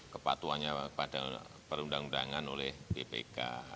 kepatuhannya pada perundang undangan oleh bpk